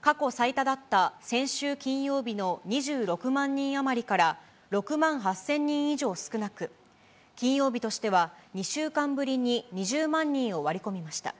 過去最多だった先週金曜日の２６万人余りから６万８０００人以上少なく、金曜日としては２週間ぶりに２０万人を割り込みました。